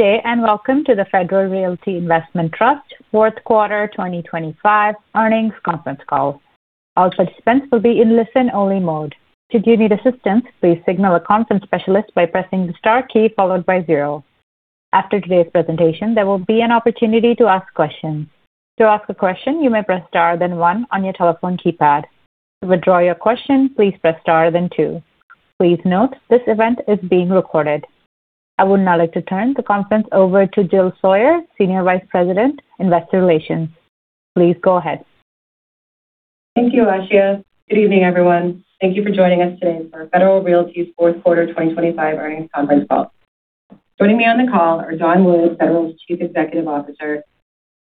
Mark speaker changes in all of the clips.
Speaker 1: Good day, and welcome to the Federal Realty Investment Trust Fourth Quarter 2025 Earnings Conference Call. All participants will be in listen-only mode. Should you need assistance, please signal a conference specialist by pressing the star key followed by zero. After today's presentation, there will be an opportunity to ask questions. To ask a question, you may press star, then one on your telephone keypad. To withdraw your question, please press star, then two. Please note, this event is being recorded. I would now like to turn the conference over to Jill Sawyer, Senior Vice President, Investor Relations. Please go ahead.
Speaker 2: Thank you, Ashia. Good evening, everyone. Thank you for joining us today for Federal Realty's fourth quarter 2025 earnings conference call. Joining me on the call are Don Wood, Federal's Chief Executive Officer,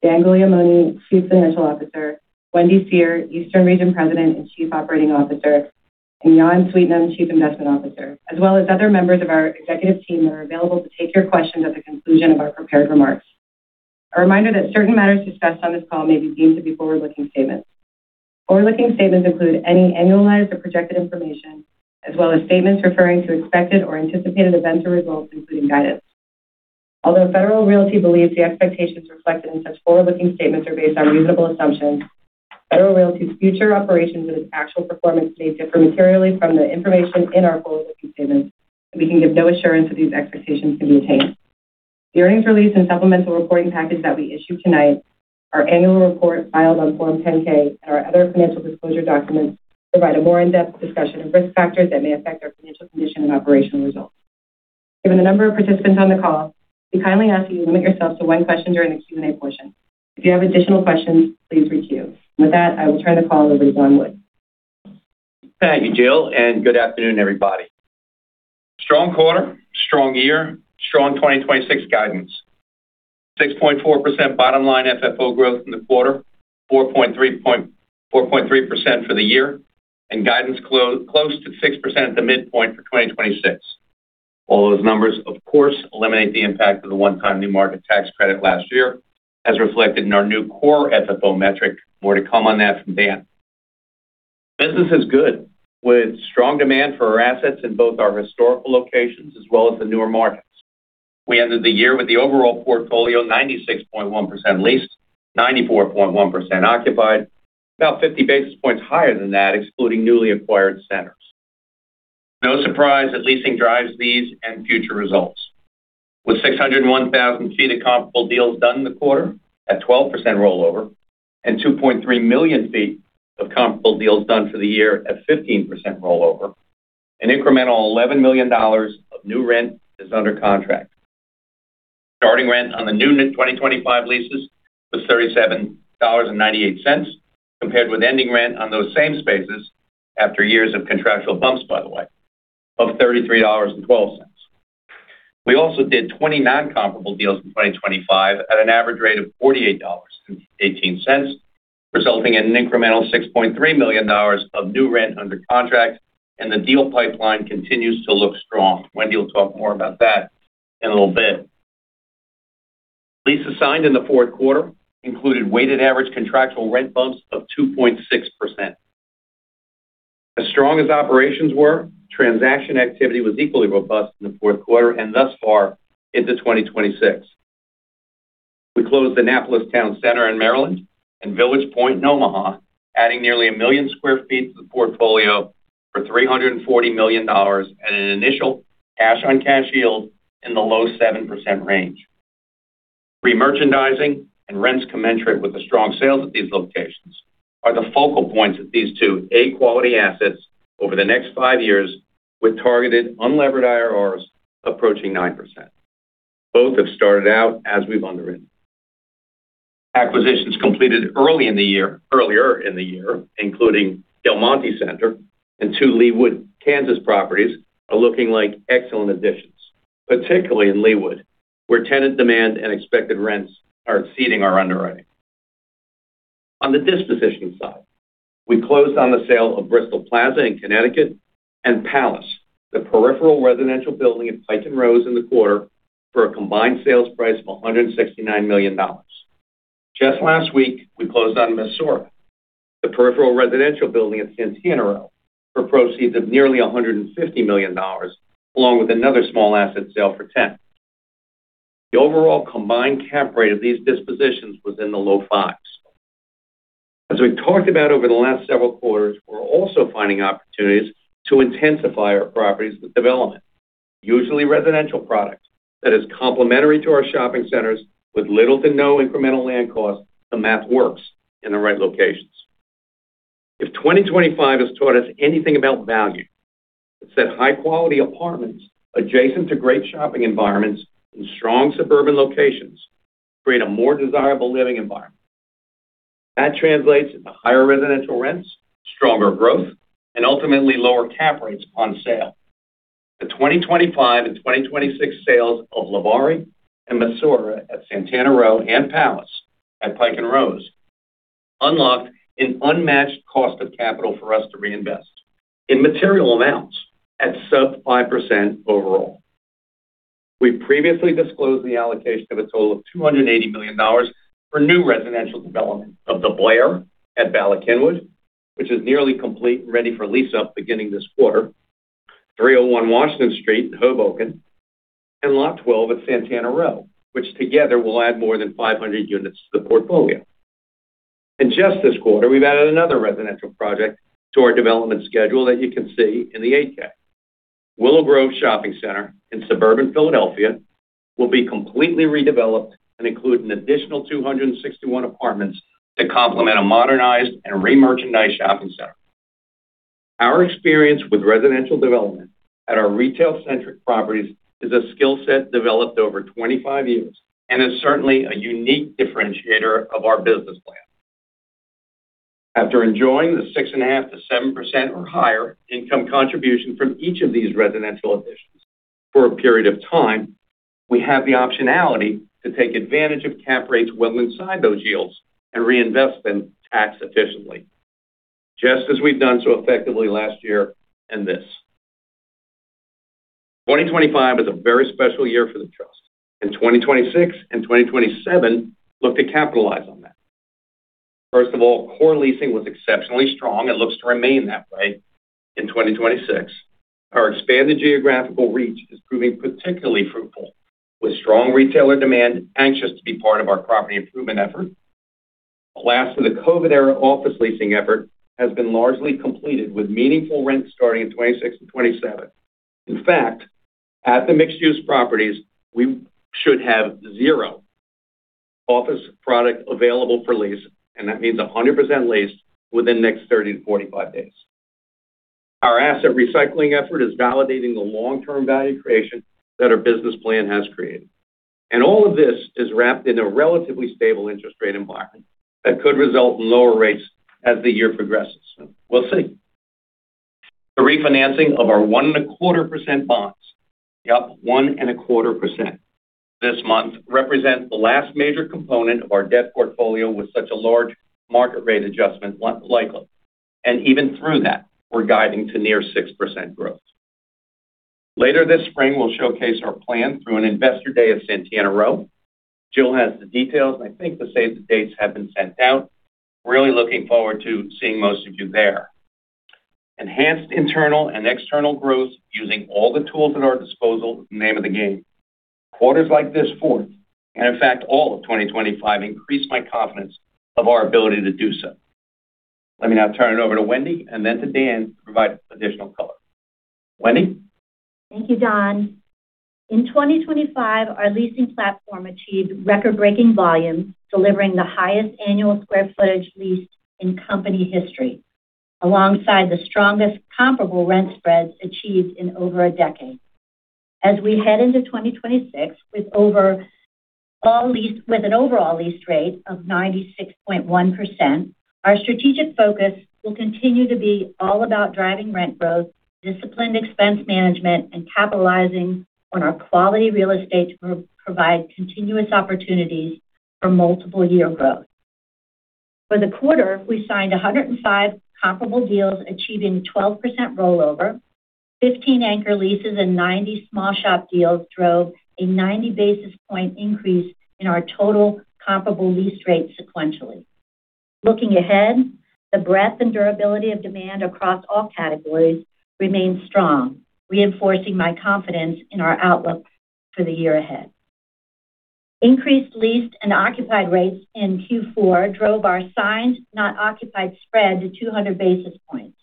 Speaker 2: Dan Guglielmone, Chief Financial Officer, Wendy Seher, Eastern Region President and Chief Operating Officer, and Jan Sweetnam, Chief Investment Officer, as well as other members of our executive team that are available to take your questions at the conclusion of our prepared remarks. A reminder that certain matters discussed on this call may be deemed to be forward-looking statements. Forward-looking statements include any annualized or projected information, as well as statements referring to expected or anticipated events or results, including guidance. Although Federal Realty believes the expectations reflected in such forward-looking statements are based on reasonable assumptions, Federal Realty's future operations and its actual performance may differ materially from the information in our forward-looking statements, and we can give no assurance that these expectations can be attained. The earnings release and supplemental reporting package that we issue tonight, our annual report filed on Form 10-K, and our other financial disclosure documents provide a more in-depth discussion of risk factors that may affect our financial condition and operational results. Given the number of participants on the call, we kindly ask you to limit yourselves to one question during the Q&A portion. If you have additional questions, please queue. With that, I will turn the call over to Don Wood.
Speaker 3: Thank you, Jill, and good afternoon, everybody. Strong quarter, strong year, strong 2026 guidance. 6.4% bottom line FFO growth in the quarter, 4.3% for the year, and guidance close to 6% at the midpoint for 2026. All those numbers, of course, eliminate the impact of the one-time New Markets Tax Credit last year, as reflected in our new core FFO metric. More to come on that from Dan. Business is good, with strong demand for our assets in both our historical locations as well as the newer markets. We ended the year with the overall portfolio, 96.1% leased, 94.1% occupied, about 50 basis points higher than that, excluding newly acquired centers. No surprise that leasing drives these and future results. With 601,000 sq ft of comparable deals done in the quarter at 12% rollover, and 2.3 million sq ft of comparable deals done for the year at 15% rollover, an incremental $11 million of new rent is under contract. Starting rent on the new 2025 leases was $37.98, compared with ending rent on those same spaces after years of contractual bumps, by the way, of $33.12. We also did 20 non-comparable deals in 2025 at an average rate of $48.18, resulting in an incremental $6.3 million of new rent under contract, and the deal pipeline continues to look strong. Wendy will talk more about that in a little bit. Leases signed in the fourth quarter included weighted average contractual rent bumps of 2.6%. As strong as operations were, transaction activity was equally robust in the fourth quarter and thus far into 2026. We closed Annapolis Town Center in Maryland and Village Pointe in Omaha, adding nearly one million sq ft to the portfolio for $340 million at an initial cash-on-cash yield in the low 7% range. Re-merchandising and rents commensurate with the strong sales at these locations are the focal points of these two A-quality assets over the next five years, with targeted unlevered IRRs approaching 9%. Both have started out as we've underwritten. Acquisitions completed earlier in the year, including Del Monte Center and two Leawood, Kansas, properties, are looking like excellent additions, particularly in Leawood, where tenant demand and expected rents are exceeding our underwriting. On the disposition side, we closed on the sale of Bristol Plaza in Connecticut and Pallas, the peripheral residential building at Pike & Rose in the quarter, for a combined sales price of $169 million. Just last week, we closed on Misora, the peripheral residential building at Santana Row, for proceeds of nearly $150 million, along with another small asset sale for $10 million. The overall combined cap rate of these dispositions was in the low fives. As we've talked about over the last several quarters, we're also finding opportunities to intensify our properties with development, usually residential products that is complementary to our shopping centers with little to no incremental land costs. The math works in the right locations. If 2025 has taught us anything about value, it's that high-quality apartments adjacent to great shopping environments in strong suburban locations create a more desirable living environment. That translates into higher residential rents, stronger growth, and ultimately lower cap rates on sale. The 2025 and 2026 sales of Levare and Misora at Santana Row and Pallas at Pike & Rose unlocked an unmatched cost of capital for us to reinvest in material amounts at sub-5% overall. We previously disclosed the allocation of a total of $280 million for new residential development of The Blair at Ballston, which is nearly complete and ready for lease-up beginning this quarter. 301 Washington Street in Hoboken, and lot 12 at Santana Row, which together will add more than 500 units to the portfolio. In just this quarter, we've added another residential project to our development schedule that you can see in the 8-K. Willow Grove Shopping Center in suburban Philadelphia will be completely redeveloped and include an additional 261 apartments to complement a modernized and remerchandised shopping center. Our experience with residential development at our retail centric properties is a skill set developed over 25 years and is certainly a unique differentiator of our business plan. After enjoying the 6.5%-7% or higher income contribution from each of these residential additions for a period of time, we have the optionality to take advantage of cap rates well inside those yields and reinvest them tax efficiently, just as we've done so effectively last year and this. 2025 is a very special year for the trust, and 2026 and 2027 look to capitalize on that. First of all, core leasing was exceptionally strong and looks to remain that way in 2026. Our expanded geographical reach is proving particularly fruitful, with strong retailer demand, anxious to be part of our property improvement effort. The last of the COVID era office leasing effort has been largely completed, with meaningful rents starting in 2026 and 2027. In fact, at the mixed-use properties, we should have zero office product available for lease, and that means 100% leased within the next 30-45 days. Our asset recycling effort is validating the long-term value creation that our business plan has created, and all of this is wrapped in a relatively stable interest rate environment that could result in lower rates as the year progresses. We'll see. The refinancing of our 1.25% bonds, yep, 1.25% this month, represent the last major component of our debt portfolio, with such a large market rate adjustment less likely. And even through that, we're guiding to near 6% growth. Later this spring, we'll showcase our plan through an investor day at Santana Row. Jill has the details, and I think the save the dates have been sent out. Really looking forward to seeing most of you there. Enhanced internal and external growth, using all the tools at our disposal, name of the game. Quarters like this fourth, and in fact, all of 2025, increase my confidence of our ability to do so. Let me now turn it over to Wendy and then to Dan to provide additional color. Wendy?
Speaker 4: Thank you, Don. In 2025, our leasing platform achieved record-breaking volumes, delivering the highest annual square footage leased in company history, alongside the strongest comparable rent spreads achieved in over a decade. As we head into 2026, with an overall lease rate of 96.1%, our strategic focus will continue to be all about driving rent growth, disciplined expense management, and capitalizing on our quality real estate to provide continuous opportunities for multi-year growth. For the quarter, we signed 105 comparable deals, achieving 12% rollover, 15 anchor leases, and 90 small shop deals drove a 90 basis point increase in our total comparable lease rate sequentially. Looking ahead, the breadth and durability of demand across all categories remains strong, reinforcing my confidence in our outlook for the year ahead. Increased leased and occupied rates in Q4 drove our signed, not occupied spread to 200 basis points,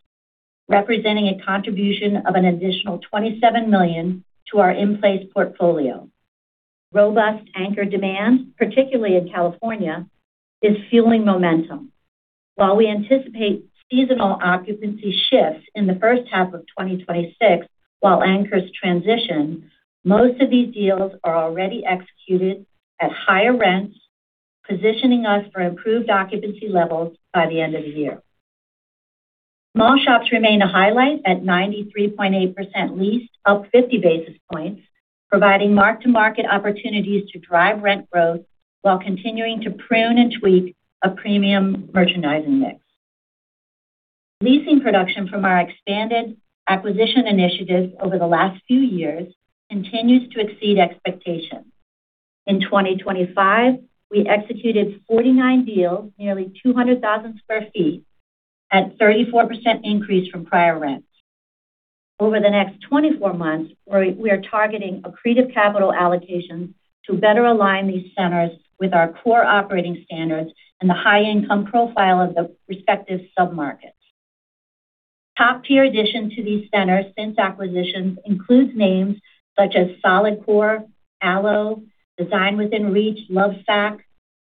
Speaker 4: representing a contribution of an additional $27 million to our in-place portfolio. Robust anchor demand, particularly in California, is fueling momentum. While we anticipate seasonal occupancy shifts in the first half of 2026, while anchors transition, most of these deals are already executed at higher rents, positioning us for improved occupancy levels by the end of the year. Small shops remain a highlight at 93.8% leased, up 50 basis points, providing mark-to-market opportunities to drive rent growth while continuing to prune and tweak a premium merchandising mix. Leasing production from our expanded acquisition initiatives over the last few years continues to exceed expectations. In 2025, we executed 49 deals, nearly 200,000 sq ft at 34% increase from prior rents. Over the next 24 months, we are targeting accretive capital allocations to better align these centers with our core operating standards and the high income profile of the respective submarkets. Top tier addition to these centers since acquisitions includes names such as Solidcore, Alo, Design Within Reach, Lovesac,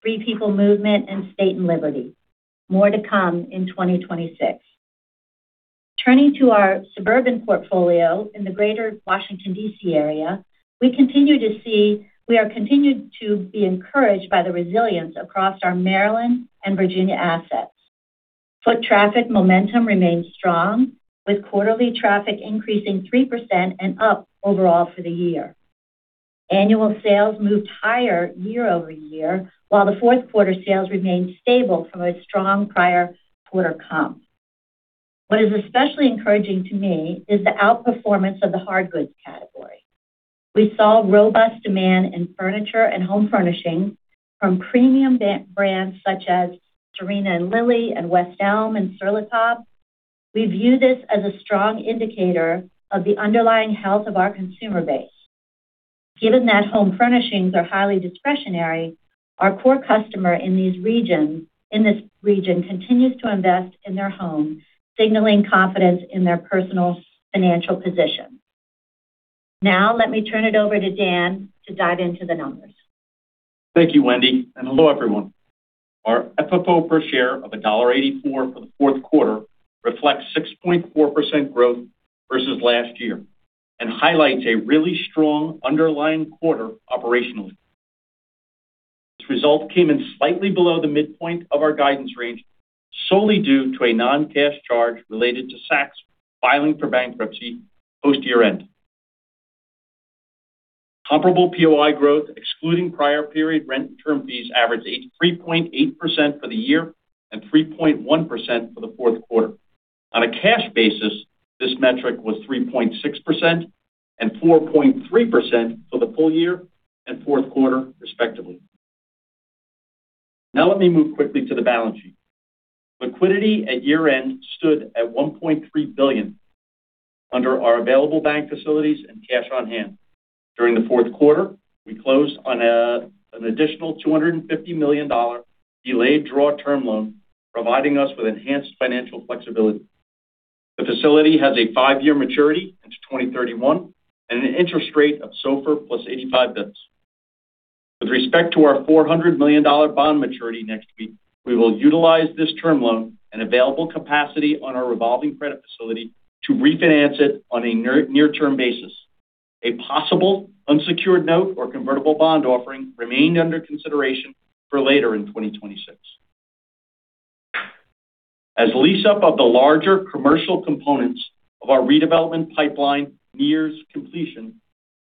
Speaker 4: Free People Movement, and State & Liberty. More to come in 2026. Turning to our suburban portfolio in the greater Washington, D.C. area, we continue to be encouraged by the resilience across our Maryland and Virginia assets. Foot traffic momentum remains strong, with quarterly traffic increasing 3% and up overall for the year. Annual sales moved higher year-over-year, while the fourth quarter sales remained stable from a strong prior quarter comp. What is especially encouraging to me is the outperformance of the hard goods category. We saw robust demand in furniture and home furnishing from premium brands such as Serena & Lily, and West Elm, and Sur La Table. We view this as a strong indicator of the underlying health of our consumer base. Given that home furnishings are highly discretionary, our core customer in these regions—in this region continues to invest in their home, signaling confidence in their personal financial position. Now, let me turn it over to Dan to dive into the numbers.
Speaker 5: Thank you, Wendy, and hello, everyone. Our FFO per share of $1.84 for the fourth quarter reflects 6.4% growth versus last year, and highlights a really strong underlying quarter operationally. This result came in slightly below the midpoint of our guidance range, solely due to a non-cash charge related to Saks filing for bankruptcy post-year-end. Comparable POI growth, excluding prior period rent and term fees, averaged 3.8% for the year and 3.1% for the fourth quarter. On a cash basis, this metric was 3.6% and 4.3% for the full year and fourth quarter, respectively. Now let me move quickly to the balance sheet. Liquidity at year-end stood at $1.3 billion under our available bank facilities and cash on hand. During the fourth quarter, we closed on an additional $250 million delayed draw term loan, providing us with enhanced financial flexibility. The facility has a five-year maturity into 2031, and an interest rate of SOFR plus 85 basis points. With respect to our $400 million bond maturity next week, we will utilize this term loan and available capacity on our revolving credit facility to refinance it on a near-term basis. A possible unsecured note or convertible bond offering remained under consideration for later in 2026. As lease up of the larger commercial components of our redevelopment pipeline nears completion,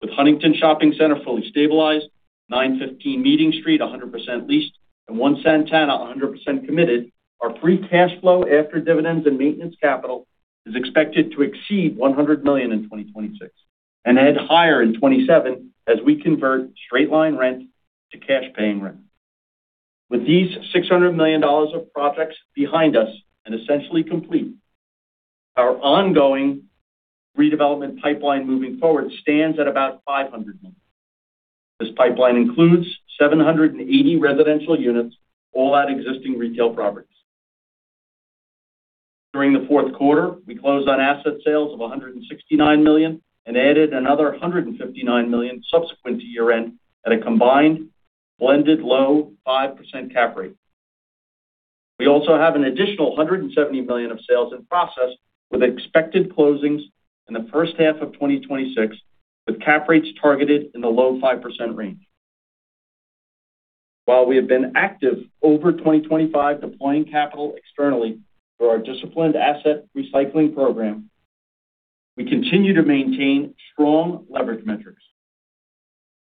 Speaker 5: with Huntington Shopping Center fully stabilized, 915 Meeting Street 100% leased, and One Santana 100% committed, our free cash flow after dividends and maintenance capital is expected to exceed $100 million in 2026, and head higher in 2027 as we convert straight-line rent to cash paying rent. With these $600 million of projects behind us and essentially complete, our ongoing redevelopment pipeline moving forward stands at about $500 million. This pipeline includes 780 residential units, all at existing retail properties. During the fourth quarter, we closed on asset sales of $169 million, and added another $159 million subsequent to year-end at a combined blended low 5% cap rate. We also have an additional $170 million of sales in process, with expected closings in the first half of 2026, with cap rates targeted in the low 5% range. While we have been active over 2025 deploying capital externally through our disciplined asset recycling program, we continue to maintain strong leverage metrics.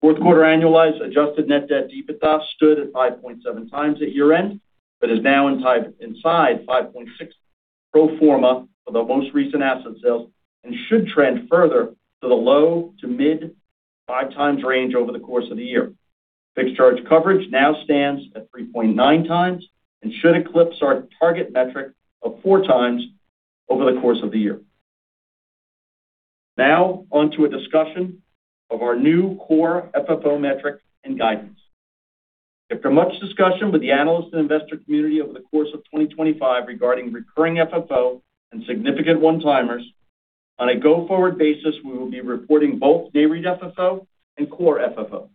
Speaker 5: Fourth quarter annualized adjusted net debt to EBITDA stood at 5.7x at year-end, but is now inside 5.6 pro forma for the most recent asset sales, and should trend further to the low- to mid-5x range over the course of the year. Fixed charge coverage now stands at 3.9x and should eclipse our target metric of 4x over the course of the year. Now on to a discussion of our new core FFO metric and guidance. After much discussion with the analyst and investor community over the course of 2025 regarding recurring FFO and significant one-timers, on a go-forward basis, we will be reporting both NAREIT FFO and core FFO.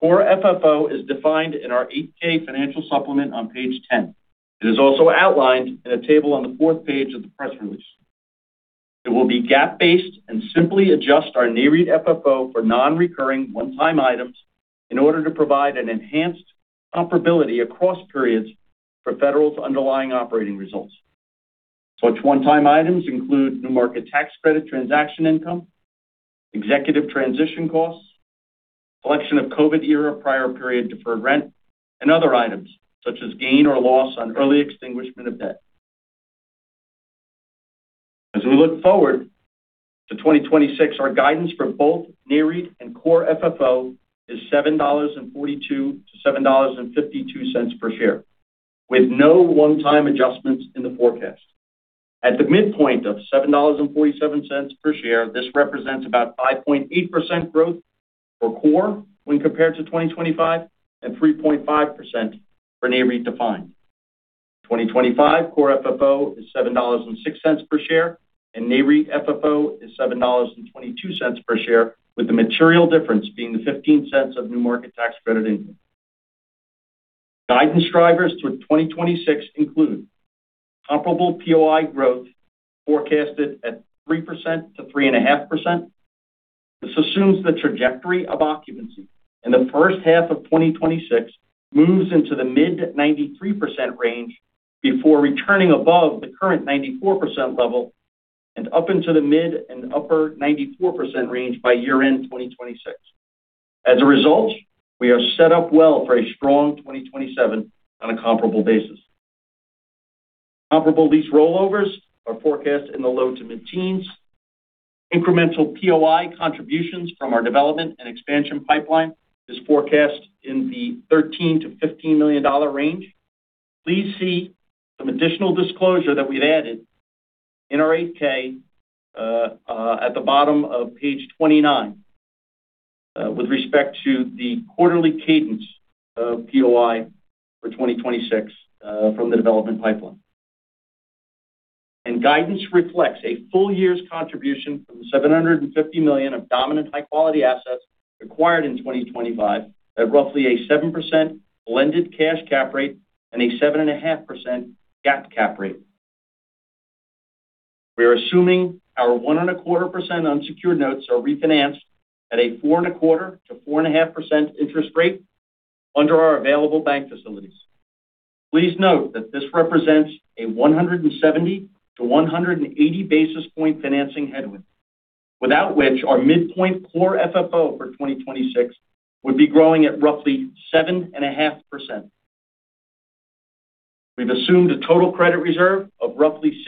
Speaker 5: Core FFO is defined in our 8-K financial supplement on page 10. It is also outlined in a table on the fourth page of the press release. It will be GAAP-based and simply adjust our NAREIT FFO for non-recurring one-time items in order to provide an enhanced comparability across periods for Federal's underlying operating results. Such one-time items include New Markets Tax Credit, transaction income, executive transition costs, collection of COVID era, prior period deferred rent, and other items such as gain or loss on early extinguishment of debt. As we look forward to 2026, our guidance for both NAREIT and core FFO is $7.42-$7.52 per share, with no one-time adjustments in the forecast. At the midpoint of $7.47 per share, this represents about 5.8% growth for core when compared to 2025, and 3.5% for NAREIT defined. 2025 core FFO is $7.06 per share, and NAREIT FFO is $7.22 per share, with the material difference being the $0.15 of New Markets Tax Credit income. Guidance drivers through 2026 include comparable POI growth forecasted at 3%-3.5%. This assumes the trajectory of occupancy in the first half of 2026 moves into the mid-93% range before returning above the current 94% level and up into the mid- and upper-94% range by year-end 2026. As a result, we are set up well for a strong 2027 on a comparable basis.... Comparable lease rollovers are forecast in the low- to mid-teens. Incremental POI contributions from our development and expansion pipeline is forecast in the $13 million-$15 million range. Please see some additional disclosure that we've added in our 8-K, at the bottom of page 29, with respect to the quarterly cadence of POI for 2026, from the development pipeline. Guidance reflects a full year's contribution from $750 million of dominant high-quality assets acquired in 2025, at roughly a 7% blended cash cap rate and a 7.5% GAAP cap rate. We are assuming our 1.25% unsecured notes are refinanced at a 4.25%-4.5% interest rate under our available bank facilities. Please note that this represents a 170-180 basis point financing headwind, without which our midpoint Core FFO for 2026 would be growing at roughly 7.5%. We've assumed a total credit reserve of roughly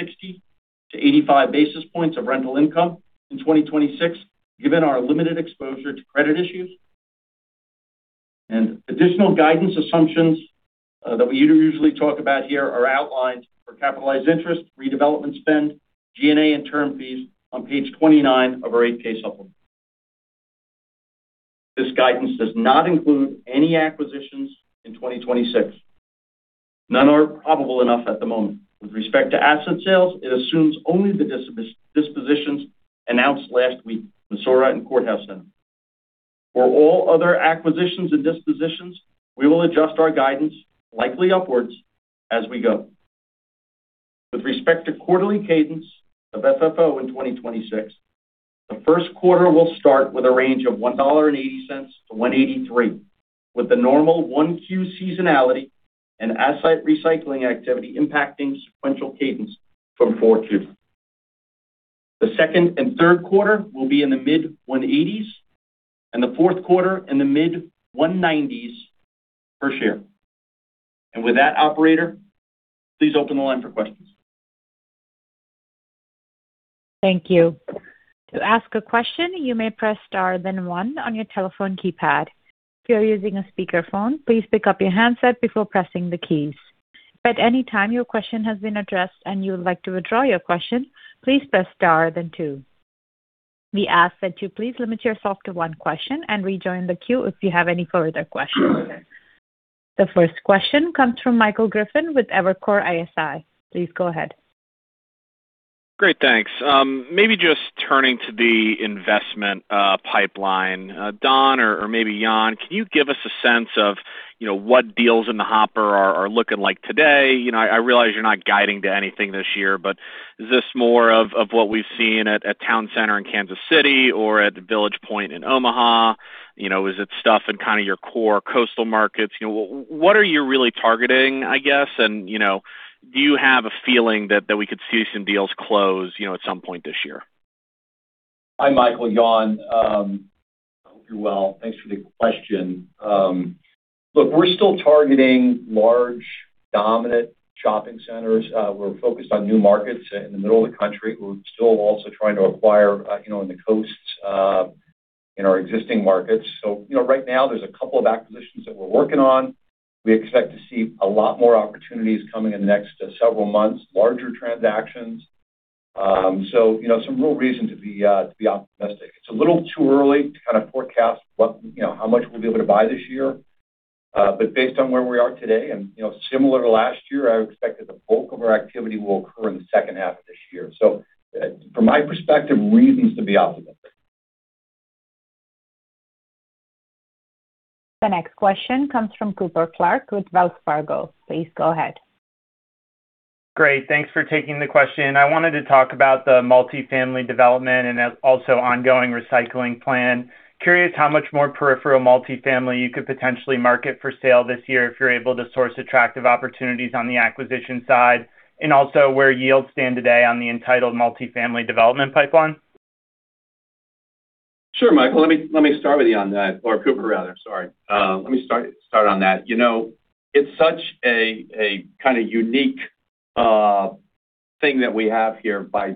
Speaker 5: 60-85 basis points of rental income in 2026, given our limited exposure to credit issues. Additional guidance assumptions that we usually talk about here are outlined for capitalized interest, redevelopment spend, G&A, and term fees on page 29 of our 8-K supplement. This guidance does not include any acquisitions in 2026. None are probable enough at the moment. With respect to asset sales, it assumes only the dispositions announced last week, Misora and Courthouse Plaza. For all other acquisitions and dispositions, we will adjust our guidance, likely upwards, as we go. With respect to quarterly cadence of FFO in 2026, the first quarter will start with a range of $1.80-$1.83, with the normal 1Q seasonality and asset recycling activity impacting sequential cadence from 4Q. The second and third quarter will be in the mid-$1.80s, and the fourth quarter in the mid-$1.90s per share. With that, operator, please open the line for questions.
Speaker 1: Thank you. To ask a question, you may press star, then one on your telephone keypad. If you're using a speakerphone, please pick up your handset before pressing the keys. At any time your question has been addressed and you would like to withdraw your question, please press star then two. We ask that you please limit yourself to one question and rejoin the queue if you have any further questions. The first question comes from Michael Griffin with Evercore ISI. Please go ahead.
Speaker 6: Great, thanks. Maybe just turning to the investment pipeline, Don, or maybe Jan, can you give us a sense of, you know, what deals in the hopper are looking like today? You know, I realize you're not guiding to anything this year, but is this more of what we've seen at Town Center in Kansas City or at the Village Pointe in Omaha? You know, is it stuff in kind of your core coastal markets? You know, what are you really targeting, I guess, and, you know, do you have a feeling that we could see some deals close, you know, at some point this year?
Speaker 7: Hi, Michael. Jan, hope you're well. Thanks for the question. Look, we're still targeting large, dominant shopping centers. We're focused on new markets in the middle of the country. We're still also trying to acquire, you know, in the coasts, in our existing markets. So, you know, right now there's a couple of acquisitions that we're working on. We expect to see a lot more opportunities coming in the next several months, larger transactions. So, you know, some real reason to be optimistic. It's a little too early to kind of forecast what, you know, how much we'll be able to buy this year. But based on where we are today, and, you know, similar to last year, I would expect that the bulk of our activity will occur in the second half of this year. From my perspective, reasons to be optimistic.
Speaker 1: The next question comes from Cooper Clark with Wells Fargo. Please go ahead.
Speaker 8: Great. Thanks for taking the question. I wanted to talk about the multifamily development and also ongoing recycling plan. Curious how much more peripheral multifamily you could potentially market for sale this year if you're able to source attractive opportunities on the acquisition side, and also where yields stand today on the entitled multifamily development pipeline?
Speaker 3: Sure, Michael, let me start with you on that, or Cooper rather, sorry. Let me start on that. You know, it's such a kind of unique thing that we have here by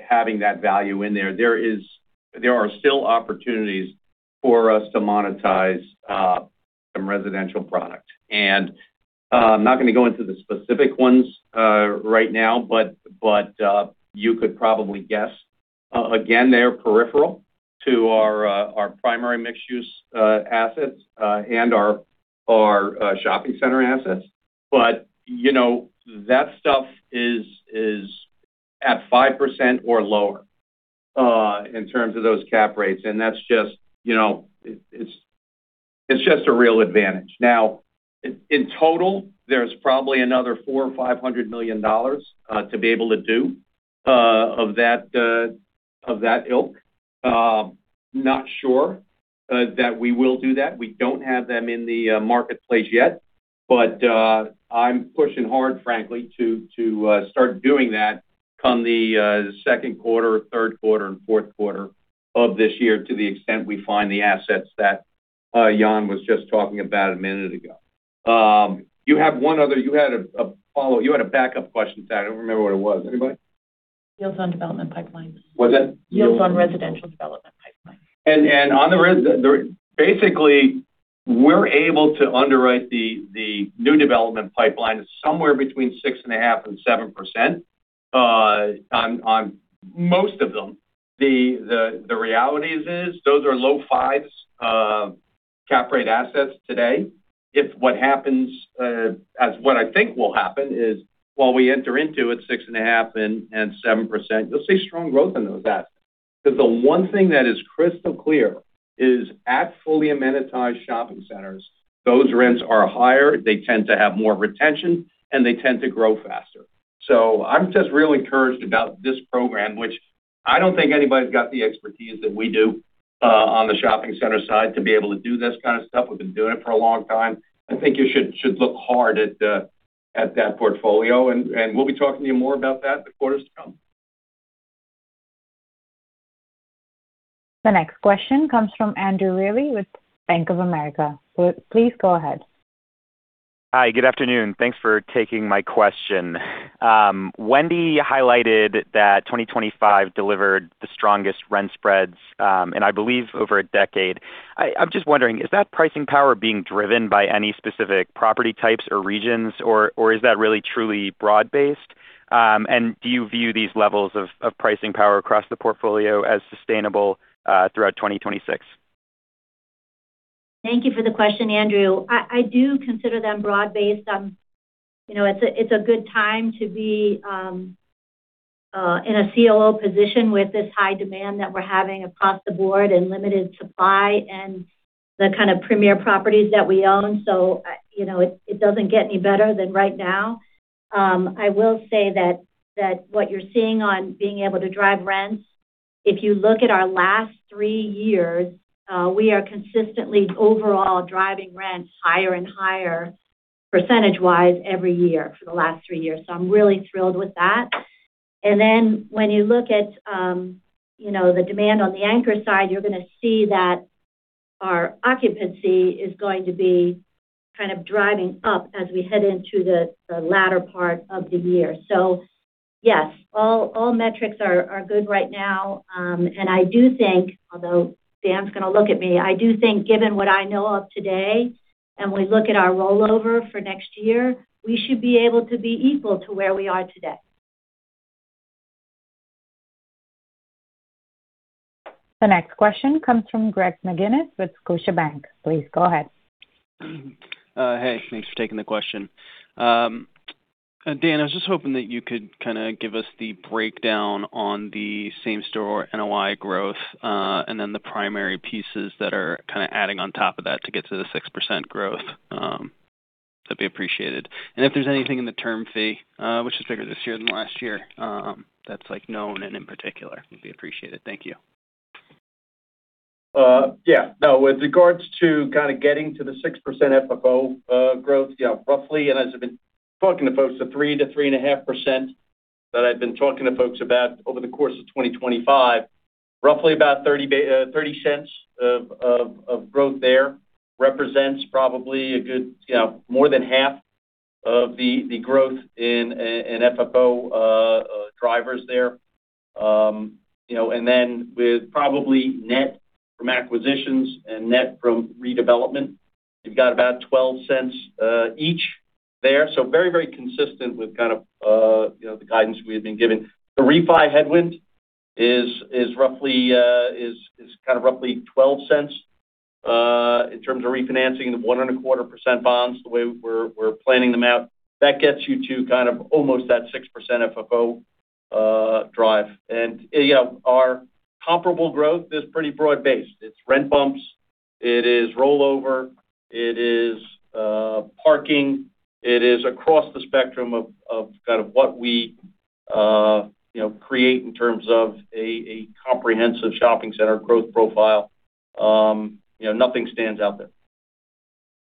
Speaker 3: having that value in there. There are still opportunities for us to monetize some residential product. And I'm not going to go into the specific ones right now, but you could probably guess. Again, they're peripheral to our primary mixed-use assets and our shopping center assets. But you know, that stuff is at 5% or lower in terms of those cap rates, and that's just, you know, it's just a real advantage. Now, in total, there's probably another $400 million-$500 million to be able to do of that ilk. Not sure that we will do that. We don't have them in the marketplace yet, but I'm pushing hard, frankly, to start doing that come the second quarter, third quarter, and fourth quarter of this year, to the extent we find the assets Jan was just talking about a minute ago. You have one other—you had a follow-up, you had a backup question, Sarah. I don't remember what it was. Anybody?
Speaker 9: Yields on development pipelines.
Speaker 3: What's that?
Speaker 9: Yields on residential development pipeline.
Speaker 3: On the residential, basically, we're able to underwrite the new development pipeline is somewhere between 6.5% and 7% on most of them. The reality is those are low fives cap rate assets today. If what happens as what I think will happen is, while we enter into it 6.5% and 7%, you'll see strong growth in those assets. Because the one thing that is crystal clear is at fully amenitized shopping centers, those rents are higher, they tend to have more retention, and they tend to grow faster. So I'm just really encouraged about this program, which I don't think anybody's got the expertise that we do on the shopping center side to be able to do this kind of stuff. We've been doing it for a long time. I think you should look hard at that portfolio, and we'll be talking to you more about that the quarters come.
Speaker 1: The next question comes from Andrew Reilly with Bank of America. Please go ahead.
Speaker 10: Hi, good afternoon. Thanks for taking my question. Wendy highlighted that 2025 delivered the strongest rent spreads, and I believe over a decade. I'm just wondering, is that pricing power being driven by any specific property types or regions, or is that really truly broad-based? And do you view these levels of pricing power across the portfolio as sustainable throughout 2026?
Speaker 4: Thank you for the question, Andrew. I do consider them broad-based. You know, it's a good time to be in a CLO position with this high demand that we're having across the board and limited supply and the kind of premier properties that we own. You know, it doesn't get any better than right now. I will say that what you're seeing on being able to drive rents, if you look at our last three years, we are consistently overall driving rents higher and higher percentage-wise every year for the last three years. So I'm really thrilled with that. And then when you look at, you know, the demand on the anchor side, you're going to see that our occupancy is going to be kind of driving up as we head into the latter part of the year. So yes, all metrics are good right now. And I do think, although Dan's going to look at me, I do think, given what I know of today, and we look at our rollover for next year, we should be able to be equal to where we are today.
Speaker 1: The next question comes from Greg McGinniss with Scotiabank. Please go ahead.
Speaker 11: Hey, thanks for taking the question. Dan, I was just hoping that you could kind of give us the breakdown on the same-store NOI growth, and then the primary pieces that are kind of adding on top of that to get to the 6% growth, that'd be appreciated. And if there's anything in the term fee, which is bigger this year than last year, that's like known and in particular, it'd be appreciated. Thank you.
Speaker 5: Yeah. Now, with regards to kind of getting to the 6% FFO growth, yeah, roughly, and as I've been talking to folks, the 3%-3.5% that I've been talking to folks about over the course of 2025, roughly about $0.30 of growth there, represents probably a good, you know, more than half of the growth in FFO drivers there. You know, and then with probably net from acquisitions and net from redevelopment, you've got about $0.12 each there. So very, very consistent with kind of, you know, the guidance we have been given. The refi headwind is roughly, kind of roughly $0.12 in terms of refinancing the 1.25% bonds, the way we're planning them out. That gets you to kind of almost that 6% FFO drive. And, yeah, our comparable growth is pretty broad-based. It's rent bumps, it is rollover, it is parking. It is across the spectrum of kind of what we you know create in terms of a comprehensive shopping center growth profile. You know, nothing stands out there.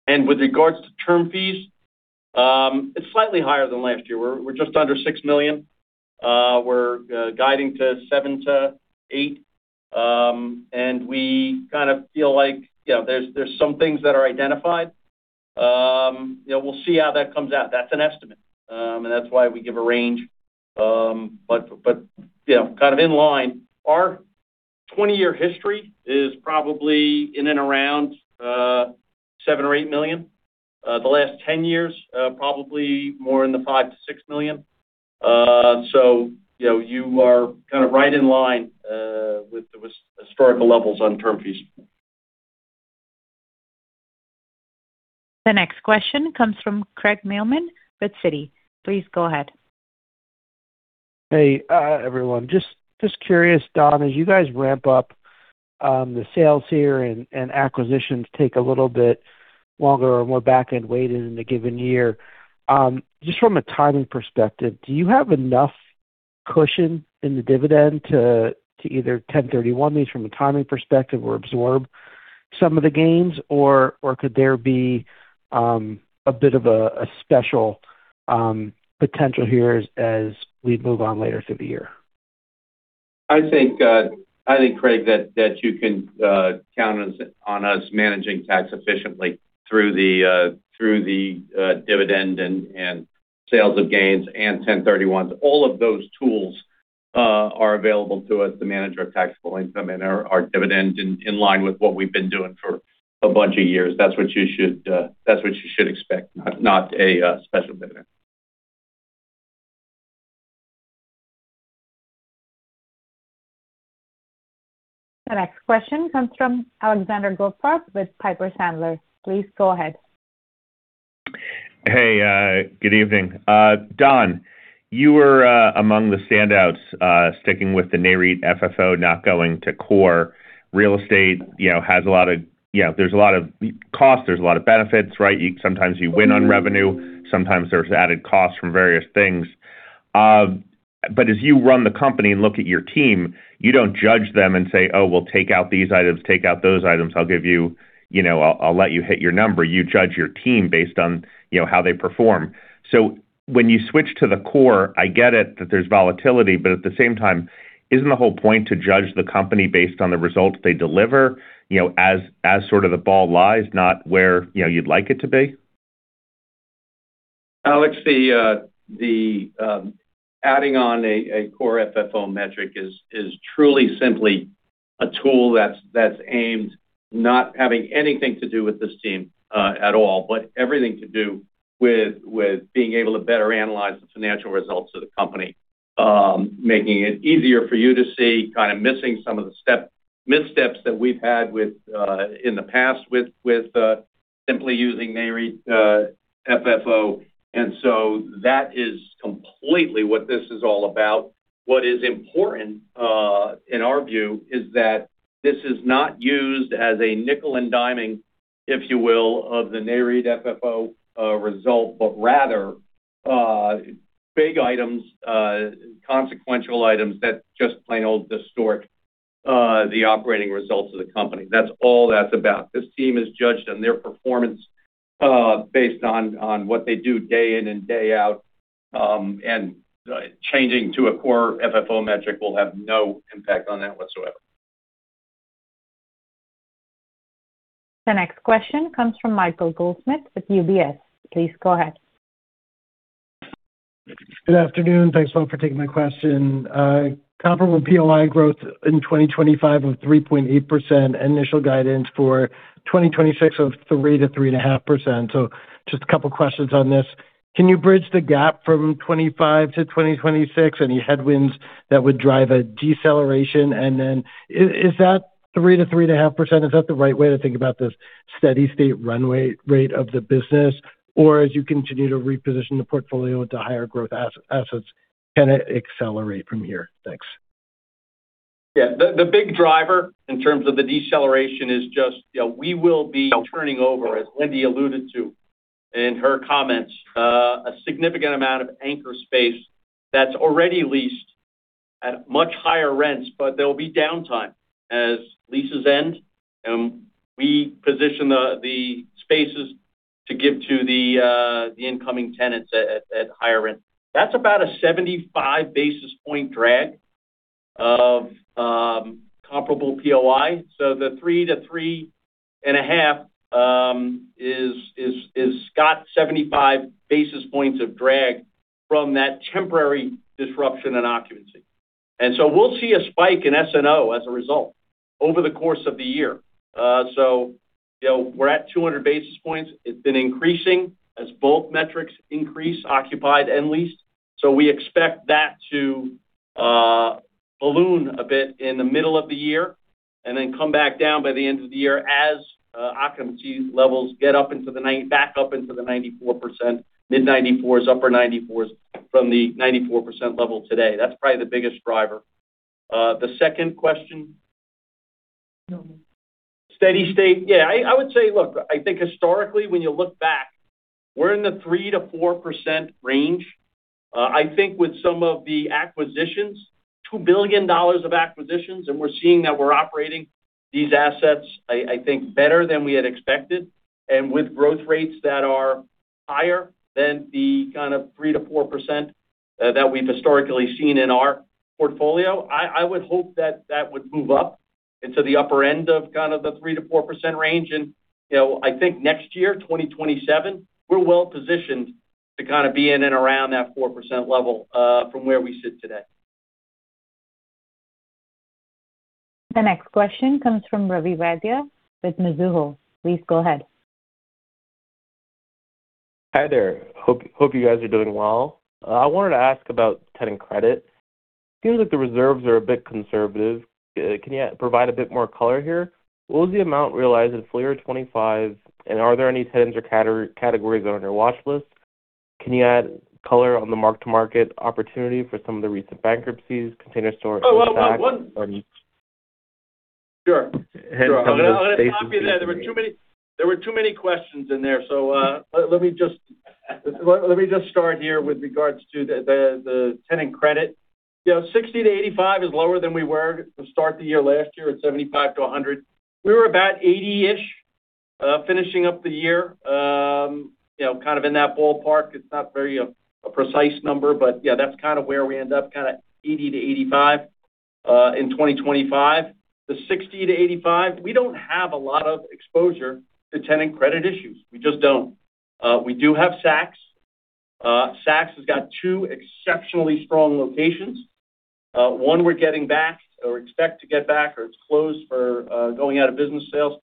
Speaker 5: And with regards to term fees, it's slightly higher than last year. We're just under $6 million. We're guiding to $7 million-$8 million, and we kind of feel like, you know, there's some things that are identified. You know, we'll see how that comes out. That's an estimate, and that's why we give a range. But you know, kind of in line, our 20-year history is probably in and around $7 million or $8 million. The last 10 years, probably more in the $5 million-$6 million. So you know, you are kind of right in line with the historical levels on term fees.
Speaker 1: The next question comes from Craig Mailman with Citi. Please go ahead.
Speaker 12: Hey, everyone. Just, just curious, Don, as you guys ramp up the sales here and acquisitions take a little bit longer or more back-end weighted in a given year, just from a timing perspective, do you have enough cushion in the dividend to either 1031 these from a timing perspective or absorb some of the gains, or could there be a bit of a special potential here as we move on later through the year?...
Speaker 3: I think, I think, Craig, that, that you can, count on us managing tax efficiently through the, through the, dividend and, and sales of gains and 1031s. All of those tools, are available to us to manage our taxable income and our, our dividend in, in line with what we've been doing for a bunch of years. That's what you should, that's what you should expect, not, not a, special dividend.
Speaker 1: The next question comes from Alexander Goldfarb with Piper Sandler. Please go ahead.
Speaker 13: Hey, good evening. Don, you were among the standouts sticking with the NAREIT FFO, not going to core. Real estate, you know, has a lot of, yeah, there's a lot of cost, there's a lot of benefits, right? Sometimes you win on revenue, sometimes there's added costs from various things. But as you run the company and look at your team, you don't judge them and say, "Oh, well, take out these items, take out those items. I'll give you, you know, I'll let you hit your number." You judge your team based on, you know, how they perform. When you switch to the core, I get it that there's volatility, but at the same time, isn't the whole point to judge the company based on the results they deliver, you know, as sort of the ball lies, not where, you know, you'd like it to be?
Speaker 3: Alex, adding on a core FFO metric is truly simply a tool that's aimed not having anything to do with this team at all, but everything to do with being able to better analyze the financial results of the company. Making it easier for you to see, kind of missing some of the missteps that we've had in the past with simply using NAREIT FFO. And so that is completely what this is all about. What is important in our view is that this is not used as a nickel and diming, if you will, of the NAREIT FFO result, but rather big items, consequential items that just plain old distort the operating results of the company. That's all that's about. This team is judged on their performance based on what they do day in and day out, and changing to a Core FFO metric will have no impact on that whatsoever.
Speaker 1: The next question comes from Michael Goldsmith with UBS. Please go ahead.
Speaker 14: Good afternoon. Thanks a lot for taking my question. Comparable POI growth in 2025 of 3.8%, initial guidance for 2026 of 3%-3.5%. So just a couple of questions on this. Can you bridge the gap from 2025 to 2026? Any headwinds that would drive a deceleration? And then is that 3%-3.5%, is that the right way to think about this steady state runway rate of the business? Or as you continue to reposition the portfolio into higher growth assets, can it accelerate from here? Thanks.
Speaker 5: Yeah, the big driver in terms of the deceleration is just, you know, we will be turning over, as Wendy alluded to in her comments, a significant amount of anchor space that's already leased at much higher rents, but there will be downtime as leases end, we position the spaces to give to the incoming tenants at higher rent. That's about a 75 basis point drag of comparable POI. So the 3-3.5 is about 75 basis points of drag from that temporary disruption in occupancy. And so we'll see a spike in SNO as a result over the course of the year. So, you know, we're at 200 basis points. It's been increasing as both metrics increase, occupied and leased. So we expect that to balloon a bit in the middle of the year and then come back down by the end of the year as occupancy levels get back up into the 94%, mid-90s, upper 90s, from the 94% level today. That's probably the biggest driver. The second question?
Speaker 9: No.
Speaker 3: Steady state. Yeah, I, I would say, look, I think historically, when you look back, we're in the 3%-4% range. I think with some of the acquisitions, $2 billion of acquisitions, and we're seeing that we're operating these assets, I, I think, better than we had expected, and with growth rates that are higher than the kind of 3%-4%, that we've historically seen in our portfolio. I, I would hope that that would move up into the upper end of kind of the 3%-4% range. You know, I think next year, 2027, we're well positioned to kind of be in and around that 4% level, from where we sit today.
Speaker 1: The next question comes from Ravi Vaidya with Mizuho. Please go ahead.
Speaker 15: Hi there. Hope you guys are doing well. I wanted to ask about tenant credit. It seems like the reserves are a bit conservative. Can you provide a bit more color here? What was the amount realized in full year 2025, and are there any tenants or categories that are on your watch list? Can you add color on the mark-to-market opportunity for some of the recent bankruptcies, Container Store-
Speaker 5: Sure.
Speaker 15: Hence, some of the spaces-
Speaker 3: I'll copy that. There were too many, there were too many questions in there, so, let me just, let me just start here with regards to the tenant credit. You know, 60-85 is lower than we were at the start of the year. Last year, it was 75-100. We were about 80-ish finishing up the year, you know, kind of in that ballpark. It's not a very precise number, but yeah, that's kind of where we end up, kind of 80-85 in 2025. The 60-85, we don't have a lot of exposure to tenant credit issues. We just don't. We do have Saks. Saks has got two exceptionally strong locations. One we're getting back or expect to get back, or it's closed for going out of business sales,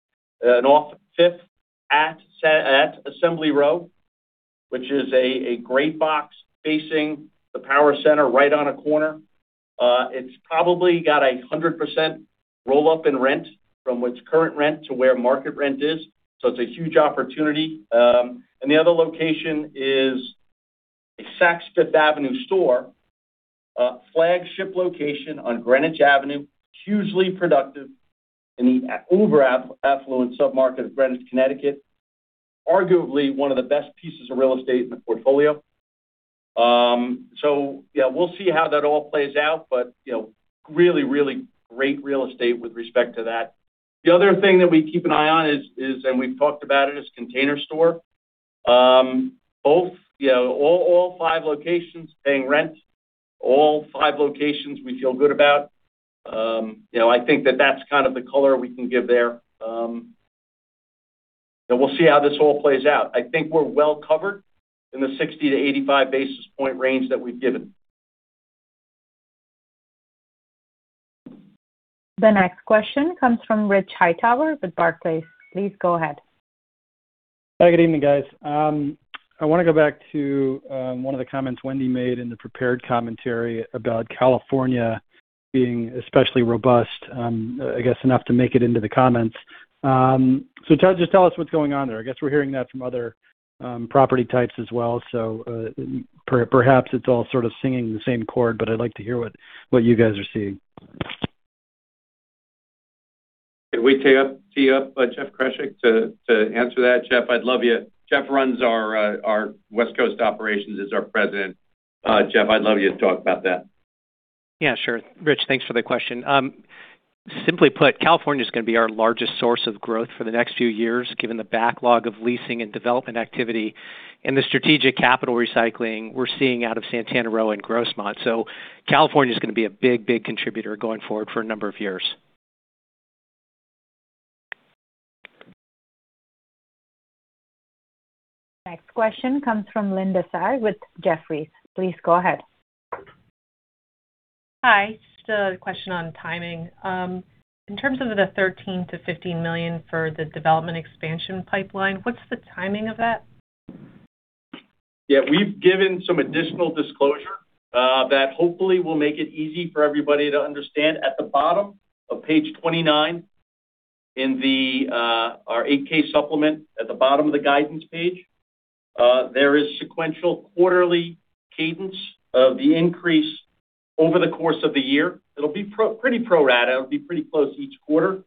Speaker 3: Saks OFF 5TH at Assembly Row, which is a great box facing the power center right on a corner. It's probably got 100% roll-up in rent from what's current rent to where market rent is. So it's a huge opportunity. And the other location is a Saks Fifth Avenue store, a flagship location on Greenwich Avenue, hugely productive in the over affluent submarket of Greenwich, Connecticut. Arguably, one of the best pieces of real estate in the portfolio. So yeah, we'll see how that all plays out, but you know, really, really great real estate with respect to that. The other thing that we keep an eye on is, and we've talked about it, is Container Store. Both, you know, all, all five locations paying rent, all five locations we feel good about. You know, I think that that's kind of the color we can give there. And we'll see how this all plays out. I think we're well covered in the 60-85 basis point range that we've given.
Speaker 1: The next question comes from Rich Hightower with Barclays. Please go ahead.
Speaker 16: Hi, good evening, guys. I want to go back to one of the comments Wendy made in the prepared commentary about California being especially robust, I guess, enough to make it into the comments. So just tell us what's going on there. I guess we're hearing that from other property types as well, so perhaps it's all sort of singing the same chord, but I'd like to hear what you guys are seeing.
Speaker 5: Can we tee up Jeff Kreshek to answer that? Jeff, I'd love you... Jeff runs our West Coast operations, as our president. Jeff, I'd love you to talk about that.
Speaker 17: Yeah, sure. Rich, thanks for the question. Simply put, California is going to be our largest source of growth for the next few years, given the backlog of leasing and development activity and the strategic capital recycling we're seeing out of Santana Row and Grossmont. California is going to be a big, big contributor going forward for a number of years.
Speaker 1: Next question comes from Linda Tsai with Jefferies. Please go ahead.
Speaker 18: Hi, just a question on timing. In terms of the $13 million-$15 million for the development expansion pipeline, what's the timing of that?
Speaker 5: Yeah, we've given some additional disclosure that hopefully will make it easy for everybody to understand. At the bottom of page 29 in the our 8-K supplement, at the bottom of the guidance page, there is sequential quarterly cadence of the increase over the course of the year. It'll be pretty pro rata, it'll be pretty close each quarter.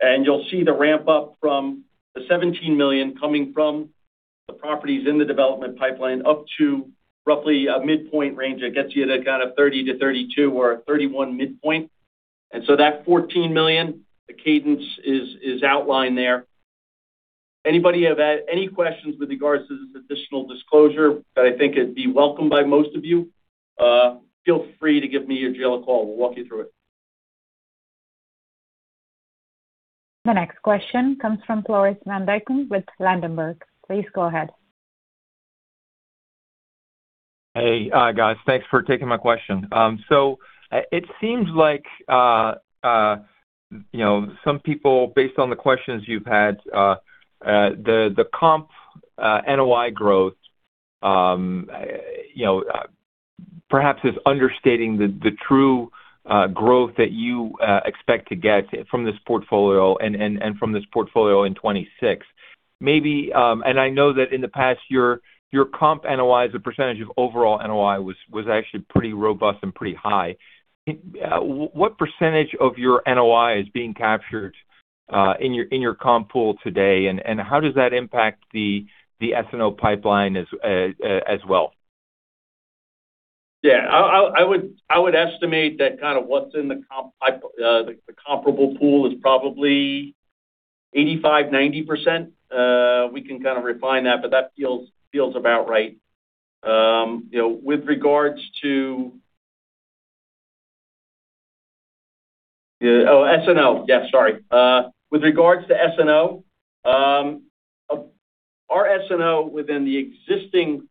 Speaker 5: And you'll see the ramp up from the $17 million coming from the properties in the development pipeline up to roughly a midpoint range that gets you to that kind of 30-32 or a 31 midpoint. And so that $14 million, the cadence is outlined there. Anybody have any questions with regards to this additional disclosure that I think it'd be welcomed by most of you? Feel free to give me or Jill a call. We'll walk you through it.
Speaker 1: The next question comes from Floris van Dijkum with Ladenburg Thalmann. Please go ahead.
Speaker 19: Hey, guys, thanks for taking my question. So it seems like, you know, some people, based on the questions you've had, the comp NOI growth, you know, perhaps is understating the true growth that you expect to get from this portfolio and from this portfolio in 2026. Maybe, and I know that in the past, your comp NOI as a percentage of overall NOI was actually pretty robust and pretty high. What percentage of your NOI is being captured in your comp pool today? And how does that impact the SNO pipeline as well?
Speaker 5: Yeah, I would estimate that kind of what's in the comp pipe, the comparable pool is probably 85%-90%. We can kind of refine that, but that feels about right. You know, with regards to... Oh, SNO, yeah, sorry. With regards to SNO, our SNO within the existing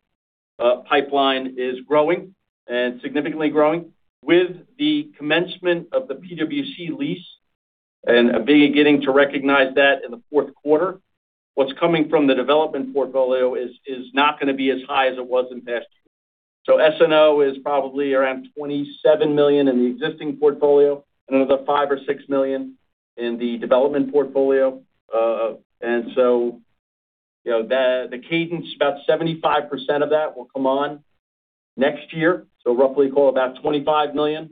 Speaker 5: pipeline is growing, and significantly growing. With the commencement of the PwC lease and being getting to recognize that in the fourth quarter, what's coming from the development portfolio is not going to be as high as it was in past years. So SNO is probably around $27 million in the existing portfolio, and another $5-$6 million in the development portfolio. and so, you know, the cadence, about 75% of that will come on next year, so roughly call it about $25 million.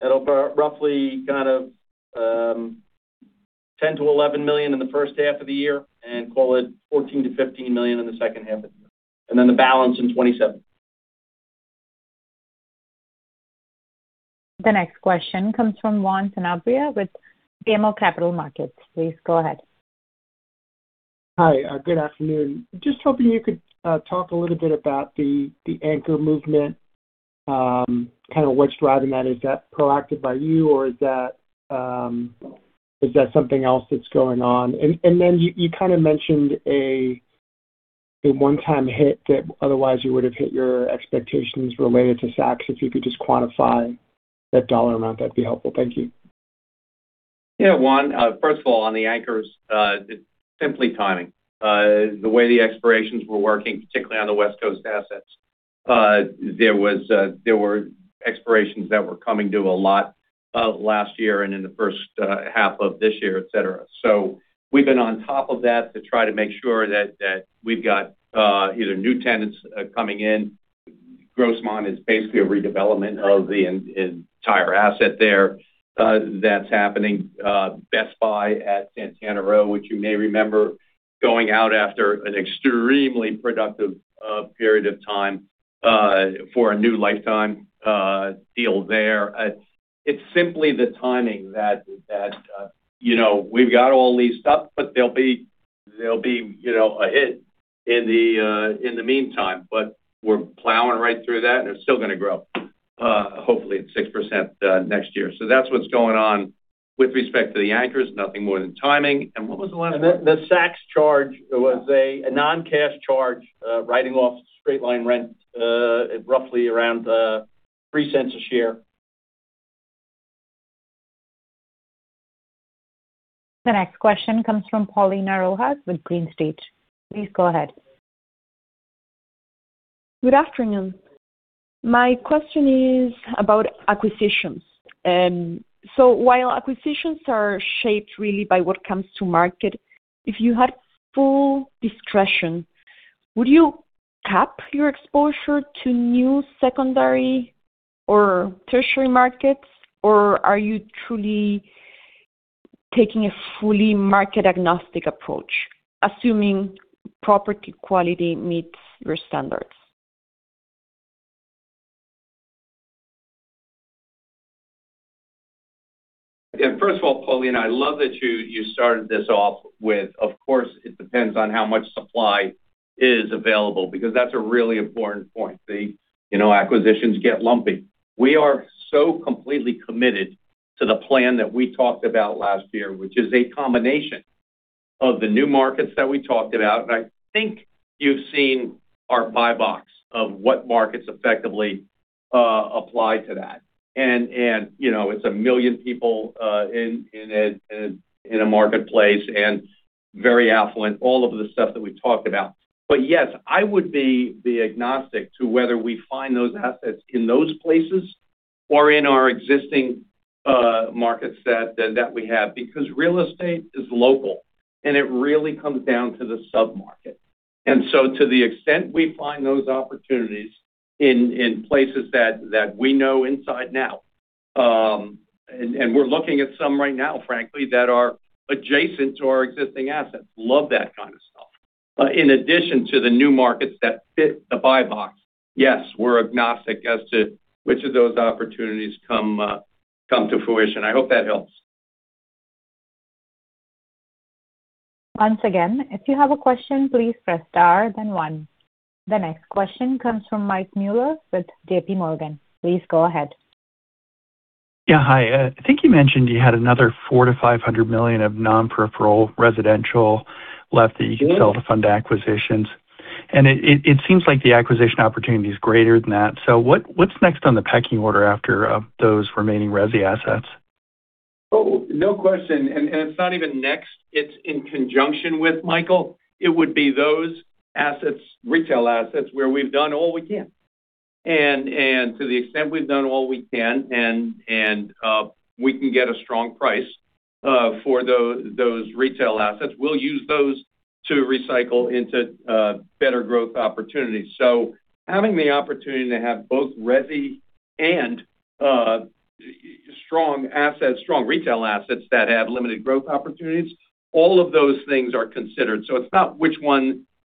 Speaker 5: It'll be roughly kind of, ten to eleven million in the first half of the year, and call it fourteen to fifteen million in the second half of the year, and then the balance in 2027....
Speaker 1: The next question comes from Juan Sanabria with BMO Capital Markets. Please go ahead.
Speaker 20: Hi, good afternoon. Just hoping you could talk a little bit about the anchor movement, kind of what's driving that. Is that proactive by you, or is that something else that's going on? And then you kind of mentioned a one-time hit that otherwise you would have hit your expectations related to Saks. If you could just quantify that dollar amount, that'd be helpful. Thank you.
Speaker 3: Yeah, Juan, first of all, on the anchors, it's simply timing. The way the expirations were working, particularly on the West Coast assets, there were expirations that were coming due a lot last year and in the first half of this year, et cetera. So we've been on top of that to try to make sure that we've got either new tenants coming in. Grossmont is basically a redevelopment of the entire asset there. That's happening. Best Buy at Santana Row, which you may remember going out after an extremely productive period of time, for a new Life Time deal there. It's simply the timing that, that, you know, we've got all leased up, but there'll be, there'll be, you know, a hit in the, in the meantime, but we're plowing right through that, and it's still going to grow, hopefully at 6%, next year. So that's what's going on with respect to the anchors, nothing more than timing. What was the last part?
Speaker 5: The Saks charge was a non-cash charge, writing off straight-line rent at roughly around $0.03 a share.
Speaker 1: The next question comes from Paulina Rojas with Green Street. Please go ahead.
Speaker 21: Good afternoon. My question is about acquisitions. So while acquisitions are shaped really by what comes to market, if you had full discretion, would you cap your exposure to new secondary or tertiary markets? Or are you truly taking a fully market-agnostic approach, assuming property quality meets your standards?
Speaker 3: Yeah. First of all, Paulina, I love that you, you started this off with, of course, it depends on how much supply is available, because that's a really important point. The, you know, acquisitions get lumpy. We are so completely committed to the plan that we talked about last year, which is a combination of the new markets that we talked about, and I think you've seen our buy box of what markets effectively apply to that. And, you know, it's one million people in a marketplace and very affluent, all of the stuff that we talked about. But yes, I would be the agnostic to whether we find those assets in those places or in our existing market set that we have, because real estate is local, and it really comes down to the sub-market. And so to the extent we find those opportunities in places that we know inside now, and we're looking at some right now, frankly, that are adjacent to our existing assets. Love that kind of stuff. In addition to the new markets that fit the buy box, yes, we're agnostic as to which of those opportunities come to fruition. I hope that helps.
Speaker 1: Once again, if you have a question, please press star, then one. The next question comes from Mike Mueller with JPMorgan. Please go ahead.
Speaker 22: Yeah, hi. I think you mentioned you had another $400 million-$500 million of non-peripheral residential left that you can sell to fund acquisitions. And it, it, it seems like the acquisition opportunity is greater than that. So what's next on the pecking order after those remaining resi assets?
Speaker 3: Oh, no question, it's not even next. It's in conjunction with Michael. It would be those assets, retail assets, where we've done all we can. And to the extent we've done all we can, we can get a strong price for those retail assets, we'll use those to recycle into better growth opportunities. So having the opportunity to have both resi and strong assets, strong retail assets that have limited growth opportunities, all of those things are considered. So it's not which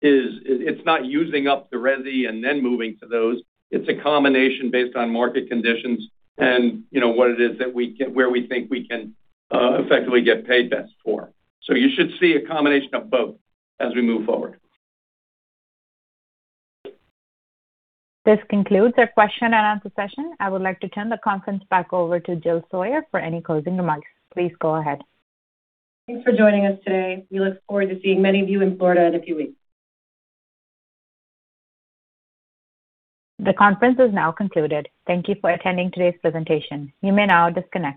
Speaker 3: one is... It's not using up the resi and then moving to those. It's a combination based on market conditions and, you know, what it is that we can—where we think we can effectively get paid best for. So you should see a combination of both as we move forward.
Speaker 1: This concludes our question and answer session. I would like to turn the conference back over to Jill Sawyer for any closing remarks. Please go ahead.
Speaker 2: Thanks for joining us today. We look forward to seeing many of you in Florida in a few weeks.
Speaker 1: The conference is now concluded. Thank you for attending today's presentation. You may now disconnect.